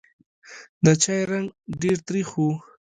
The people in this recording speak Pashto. د چای رنګ ډېر تریخ و.